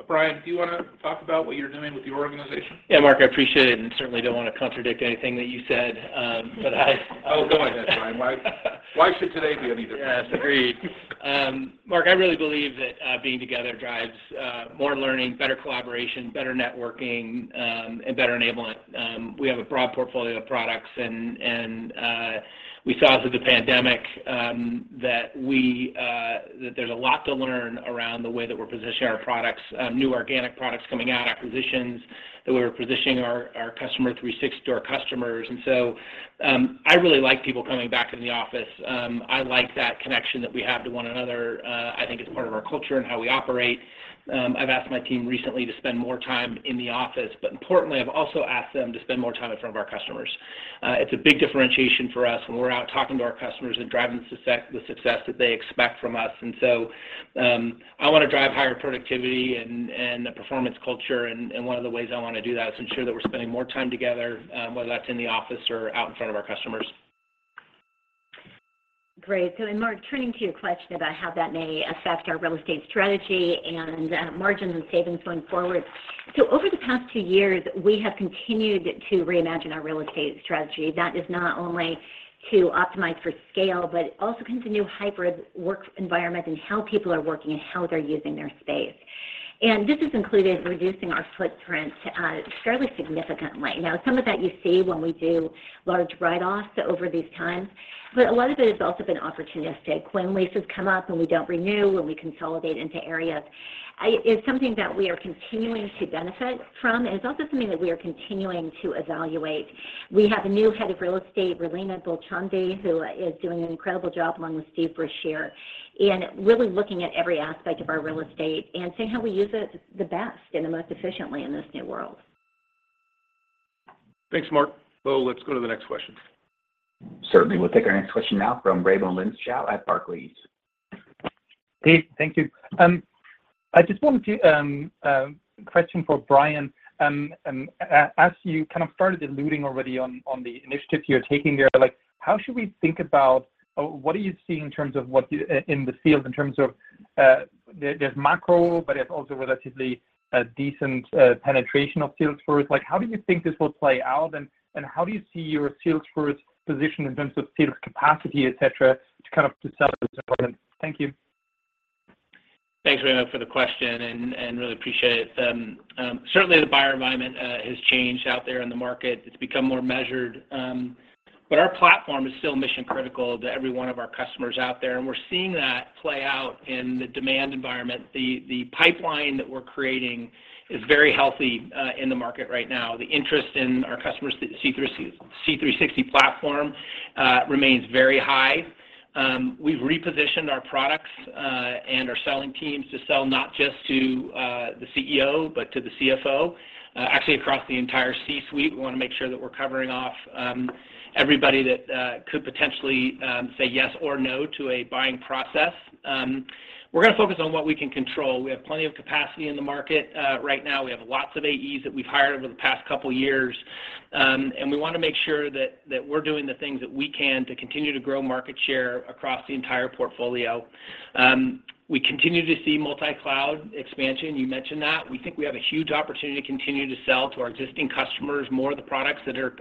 Brian, do you wanna talk about what you're doing with your organization? Yeah, Marc, I appreciate it, and certainly don't wanna contradict anything that you said. Oh, go ahead, Brian. Why should today be any different? Yes, agreed. Mark, I really believe that being together drives more learning, better collaboration, better networking, and better enablement. We have a broad portfolio of products, we saw through the pandemic that there's a lot to learn around the way that we're positioning our products, new organic products coming out, acquisitions, that we're positioning our Customer 360 to our customers. I really like people coming back in the office. I like that connection that we have to one another. I think it's part of our culture and how we operate. I've asked my team recently to spend more time in the office, importantly, I've also asked them to spend more time in front of our customers. It's a big differentiation for us when we're out talking to our customers and driving the success that they expect from us. I wanna drive higher productivity and a performance culture and one of the ways I wanna do that is ensure that we're spending more time together, whether that's in the office or out in front of our customers. Great. Mark, turning to your question about how that may affect our real estate strategy and margin and savings going forward. Over the past two years, we have continued to reimagine our real estate strategy. That is not only to optimize for scale, but also comes a new hybrid work environment and how people are working and how they're using their space. This has included reducing our footprint fairly significantly. Now, some of that you see when we do large write-offs over these times, but a lot of it has also been opportunistic. When leases come up, and we don't renew, when we consolidate into areas, it's something that we are continuing to benefit from, and it's also something that we are continuing to evaluate. We have a new head of real estate, Relina Bulchandani, who is doing an incredible job along with Steve Brashear in really looking at every aspect of our real estate and seeing how we use it the best and the most efficiently in this new world. Thanks, Mark. Bo, let's go to the next question. Certainly. We'll take our next question now from Raimo Lenschow at Barclays. Hey, thank you. I just wanted to question for Brian, as you kind of started alluding already on the initiatives you're taking there, like how should we think about or what are you seeing in terms of what you in the field in terms of there's macro, but it's also relatively a decent penetration of Salesforce. Like, how do you think this will play out, and how do you see your Salesforce position in terms of sales capacity, et cetera, to kind of sell this product? Thank you. Thanks, Raimo, for the question and really appreciate it. Certainly the buyer environment has changed out there in the market. It's become more measured, but our platform is still mission-critical to every one of our customers out there, and we're seeing that play out in the demand environment. The pipeline that we're creating is very healthy in the market right now. The interest in our customers Customer 360 platform remains very high. We've repositioned our products and our selling teams to sell not just to the CEO, but to the CFO, actually across the entire C-suite. We wanna make sure that we're covering off everybody that could potentially say yes or no to a buying process. We're gonna focus on what we can control. We have plenty of capacity in the market. Right now, we have lots of AEs that we've hired over the past couple years, and we wanna make sure that we're doing the things that we can to continue to grow market share across the entire portfolio. We continue to see multi-cloud expansion. You mentioned that. We think we have a huge opportunity to continue to sell to our existing customers more of the products that are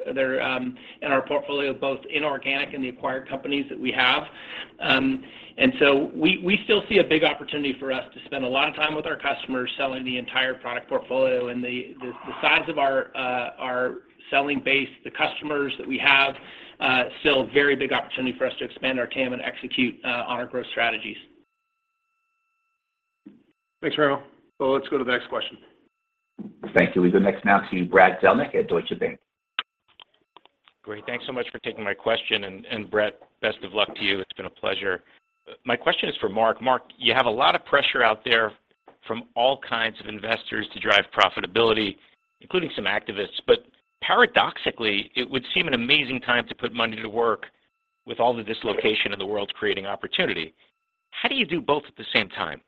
in our portfolio, both inorganic and the acquired companies that we have. We still see a big opportunity for us to spend a lot of time with our customers selling the entire product portfolio, and the size of our selling base, the customers that we have, still a very big opportunity for us to expand our TAM and execute on our growth strategies. Thanks, Raimo. Bo, let's go to the next question. Thank you. We go next now to Brad Zelnick at Deutsche Bank. Great. Thanks so much for taking my question, and Bret, best of luck to you. It's been a pleasure. My question is for Marc. Marc, you have a lot of pressure out there from all kinds of investors to drive profitability, including some activists. Paradoxically, it would seem an amazing time to put money to work with all the dislocation in the world creating opportunity. How do you do both at the same time?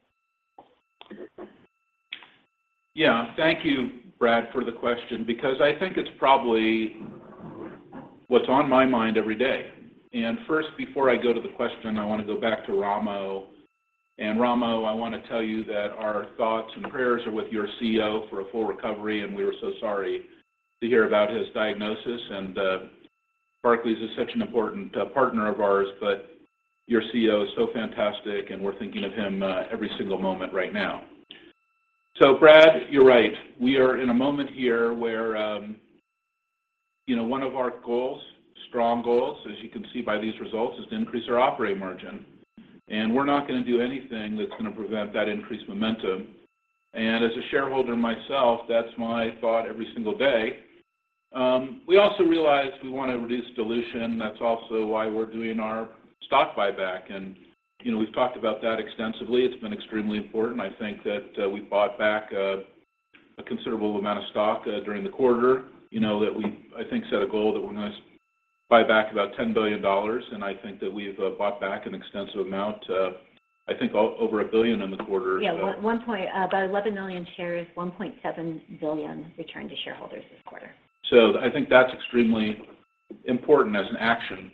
Yeah. Thank you, Brad, for the question because I think it's probably what's on my mind every day. First, before I go to the question, I wanna go back to Raimo. Raimo, I wanna tell you that our thoughts and prayers are with your CEO for a full recovery, we are so sorry to hear about his diagnosis. Barclays is such an important partner of ours, but your CEO is so fantastic, and we're thinking of him every single moment right now. Brad, you're right. We are in a moment here where, you know, one of our goals, strong goals, as you can see by these results, is to increase our operating margin. We're not gonna do anything that's gonna prevent that increased momentum. As a shareholder myself, that's my thought every single day. We also realized we wanna reduce dilution. That's also why we're doing our stock buyback, and, you know, we've talked about that extensively. It's been extremely important. I think that we bought back a considerable amount of stock during the quarter, you know, that we, I think, set a goal that we're gonna buy back about $10 billion, and I think that we've bought back an extensive amount, I think over $1 billion in the quarter. Yeah. About 11 million shares, $1.7 billion returned to shareholders this quarter. I think that's extremely important as an action.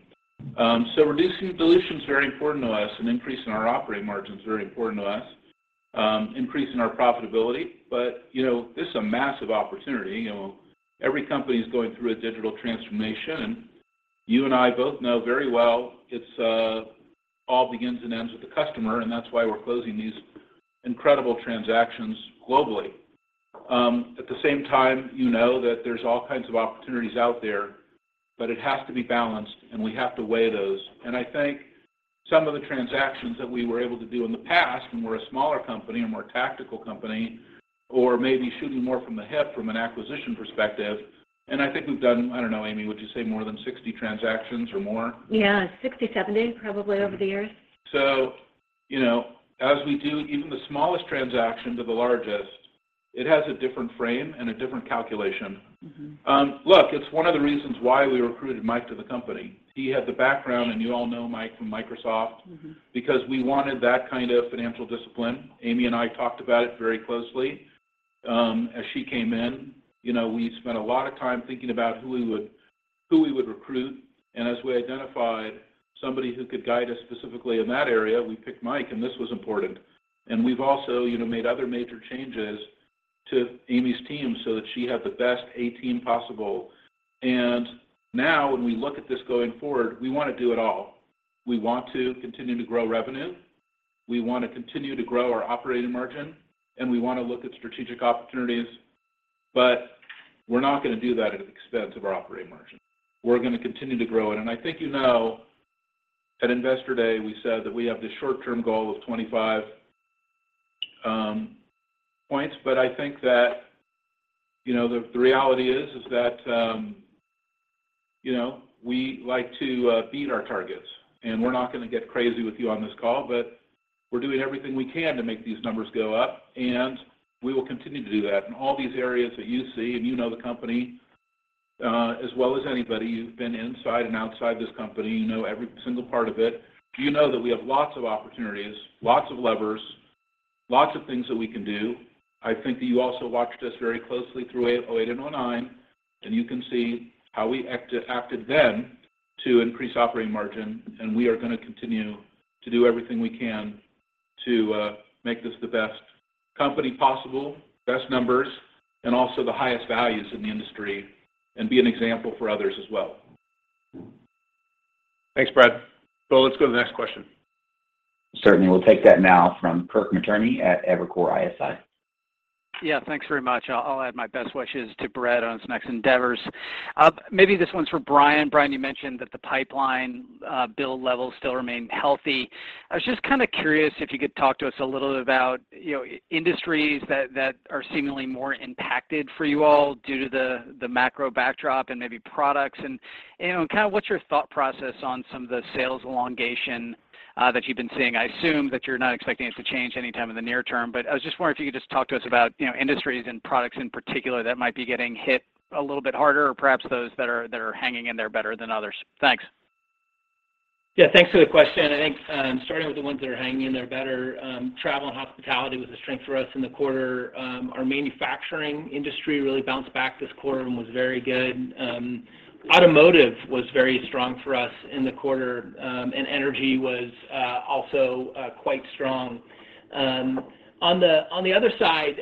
Reducing dilution's very important to us, and increasing our operating margin's very important to us, increasing our profitability. You know, this is a massive opportunity. You know, every company's going through a digital transformation, and you and I both know very well it's all begins and ends with the customer, and that's why we're closing these incredible transactions globally. At the same time, you know that there's all kinds of opportunities out there, it has to be balanced, and we have to weigh those. I think some of the transactions that we were able to do in the past when we're a smaller company, a more tactical company, or maybe shooting more from the hip from an acquisition perspective, I think we've done, I don't know, Amy, would you say more than 60 transactions or more? Yeah, 60, 70 transcations probably over the years. you know, as we do even the smallest transaction to the largest, it has a different frame and a different calculation. Mm-hmm. Look, it's one of the reasons why we recruited Mike to the company. He had the background, and you all know Mike from Microsoft. Mm-hmm Because we wanted that kind of financial discipline. Amy and I talked about it very closely, as she came in. You know, we spent a lot of time thinking about who we would recruit, and as we identified somebody who could guide us specifically in that area, we picked Mike, and this was important. We've also, you know, made other major changes to Amy's team so that she had the best A team possible. Now when we look at this going forward, we wanna do it all. We want to continue to grow revenue, we wanna continue to grow our operating margin, and we wanna look at strategic opportunities, but we're not gonna do that at the expense of our operating margin. We're gonna continue to grow it. I think you know at Investor Day, we said that we have this short-term goal of 25 points, but I think that, you know, the reality is that, you know, we like to beat our targets. We're not gonna get crazy with you on this call, but we're doing everything we can to make these numbers go up, and we will continue to do that. In all these areas that you see, and you know the company as well as anybody. You've been inside and outside this company. You know every single part of it. You know that we have lots of opportunities, lots of levers, lots of things that we can do. I think that you also watched us very closely through 2008 and 2009, and you can see how we acted then to increase operating margin, and we are gonna continue to do everything we can to make this the best company possible, best numbers, and also the highest values in the industry and be an example for others as well. Thanks, Brad. Let's go to the next question. Certainly. We'll take that now from Kirk Materne at Evercore ISI. Yeah. Thanks very much. I'll add my best wishes to Bret on his next endeavors. Maybe this one's for Brian. Brian, you mentioned that the pipeline, bill levels still remain healthy. I was just kinda curious if you could talk to us a little bit about, you know, industries that are seemingly more impacted for you all due to the macro backdrop and kind of what's your thought process on some of the sales elongation that you've been seeing? I assume that you're not expecting it to change anytime in the near term, but I was just wondering if you could just talk to us about, you know, industries and products in particular that might be getting hit a little bit harder or perhaps those that are hanging in there better than others. Thanks. Thanks for the question. I think, starting with the ones that are hanging in there better, travel and hospitality was a strength for us in the quarter. Our manufacturing industry really bounced back this quarter and was very good. Automotive was very strong for us in the quarter, and energy was also quite strong. On the other side,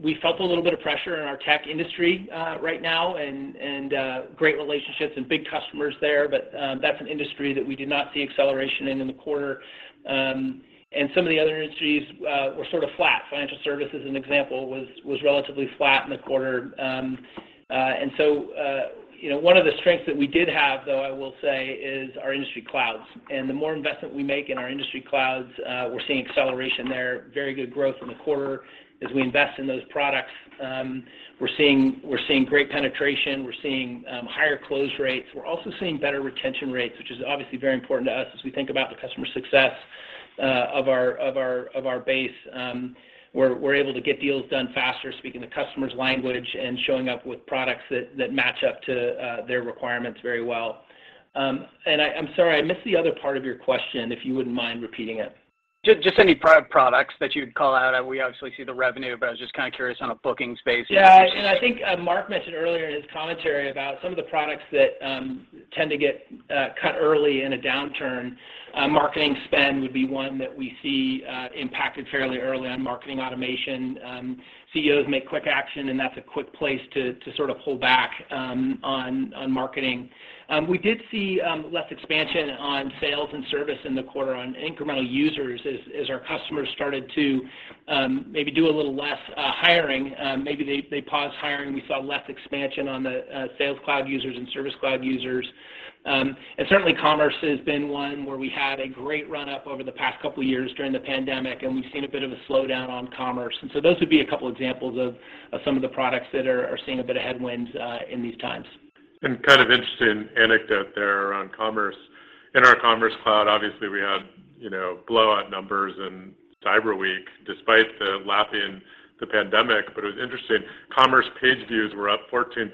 we felt a little bit of pressure in our tech industry right now and great relationships and big customers there, but that's an industry that we did not see acceleration in the quarter. Some of the other industries were sort of flat. Financial services, as an example, was relatively flat in the quarter. You know, one of the strengths that we did have, though, I will say, is our industry clouds, and the more investment we make in our industry clouds, we're seeing acceleration there. Very good growth in the quarter as we invest in those products. We're seeing great penetration. We're seeing higher close rates. We're also seeing better retention rates, which is obviously very important to us as we think about the customer success of our base. We're able to get deals done faster, speaking the customer's language, and showing up with products that match up to their requirements very well. I'm sorry, I missed the other part of your question, if you wouldn't mind repeating it. Just any products that you'd call out. We obviously see the revenue, but I was just kinda curious on a bookings basis. Yeah. I think, Mark mentioned earlier in his commentary about some of the products that tend to get cut early in a downturn. Marketing spend would be one that we see impacted fairly early on marketing automation. CEOs make quick action, and that's a quick place to sort of pull back on marketing. We did see less expansion on sales and service in the quarter on incremental users as our customers started to maybe do a little less hiring. Maybe they paused hiring. We saw less expansion on the Sales Cloud users and Service Cloud users. Certainly commerce has been one where we had a great run-up over the past couple years during the pandemic, and we've seen a bit of a slowdown on commerce. Those would be a couple examples of some of the products that are seeing a bit of headwinds in these times. Kind of interesting anecdote there on commerce. In our Commerce Cloud, obviously, we had, you know, blowout numbers in Cyber Week despite the lap in the pandemic. It was interesting, commerce page views were up 14%,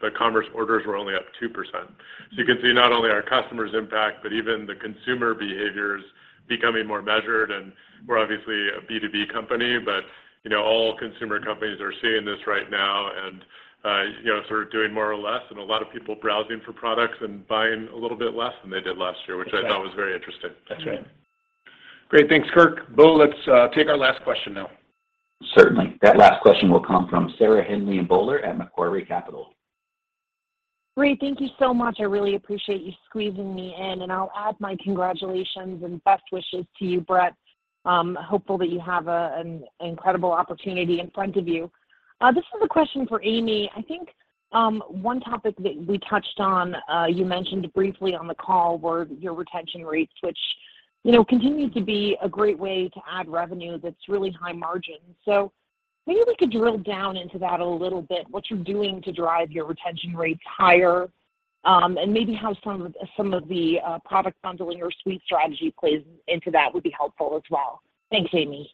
but commerce orders were only up 2%. You can see not only our customers impact, but even the consumer behavior is becoming more measured. We're obviously a B2B company, but you know, all consumer companies are seeing this right now and, you know, sort of doing more or less, and a lot of people browsing for products and buying a little bit less than they did last year, which I thought was very interesting. That's right. Great. Thanks, Kirk. Bo, let's take our last question now. Certainly. That last question will come from Sarah Hindlian-Bowler at Macquarie Capital. Ray, thank you so much. I really appreciate you squeezing me in, and I'll add my congratulations and best wishes to you, Bret. Hopeful that you have an incredible opportunity in front of you. This is a question for Amy. I think, one topic that we touched on, you mentioned briefly on the call were your retention rates, which, you know, continue to be a great way to add revenue that's really high margin. Maybe we could drill down into that a little bit, what you're doing to drive your retention rates higher, and maybe how some of the product bundling or suite strategy plays into that would be helpful as well. Thanks, Amy.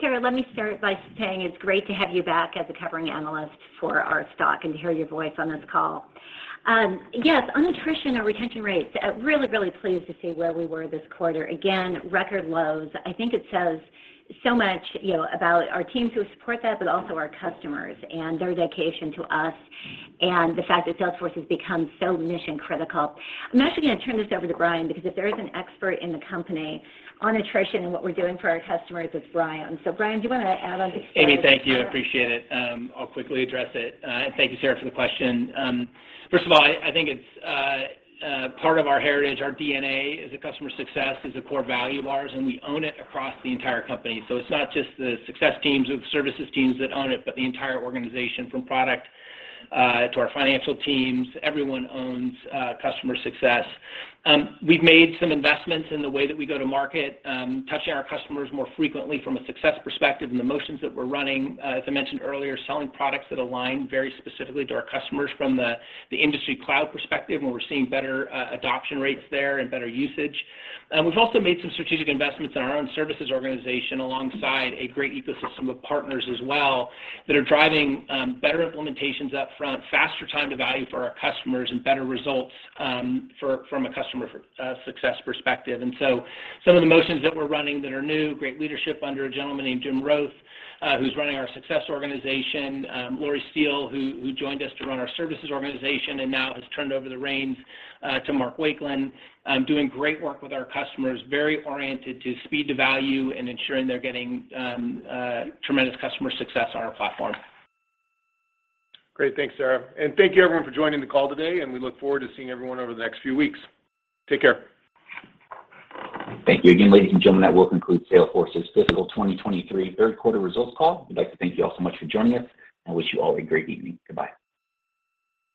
Sarah, let me start by saying it's great to have you back as a covering analyst for our stock and to hear your voice on this call. Yes, on attrition, our retention rates, really, really pleased to see where we were this quarter. Again, record lows. I think it says so much, you know, about our teams who support that, but also our customers and their dedication to us and the fact that Salesforce has become so mission-critical. I'm actually going to turn this over to Brian, because if there is an expert in the company on attrition and what we're doing for our customers, it's Brian. Brian, do you want to add on to Sarah's question? Amy, thank you. I appreciate it. I'll quickly address it. Thank you, Sarah, for the question. First of all, I think it's part of our heritage. Our DNA is a customer success, is a core value of ours, and we own it across the entire company. It's not just the success teams and services teams that own it, but the entire organization, from product to our financial teams, everyone owns customer success. We've made some investments in the way that we go to market, touching our customers more frequently from a success perspective and the motions that we're running. As I mentioned earlier, selling products that align very specifically to our customers from the industry cloud perspective, and we're seeing better adoption rates there and better usage. We've also made some strategic investments in our own services organization alongside a great ecosystem of partners as well, that are driving, better implementations up front, faster time to value for our customers, and better results, from a customer success perspective. Some of the motions that we're running that are new, great leadership under a gentleman named Jim Roth, who's running our success organization. Lori Steele, who joined us to run our services organization and now has turned over the reins, to Mark Wakelin, doing great work with our customers, very oriented to speed to value and ensuring they're getting, tremendous customer success on our platform. Great. Thanks, Sarah. Thank you everyone for joining the call today, and we look forward to seeing everyone over the next few weeks. Take care. Thank you again, ladies and gentlemen. That will conclude Salesforce's fiscal 2023 third quarter results call. We'd like to thank you all so much for joining us and wish you all a great evening. Goodbye.